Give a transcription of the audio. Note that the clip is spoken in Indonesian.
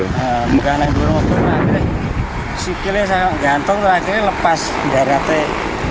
buka dengan mobil akhirnya sikilnya gantung akhirnya lepas